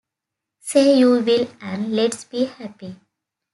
Say you will, and let's be happy.